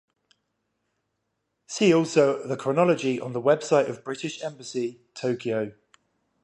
See also the chronology on the website of British Embassy, Tokyo.